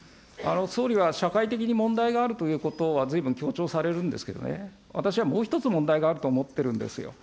総理は社会的に問題があるということはずいぶん強調されるんですけどね、私はもう一つ問題があると思ってるんですよ。